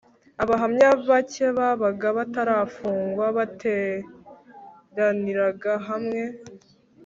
Abahamya bake babaga batarafungwa bateraniraga hamwe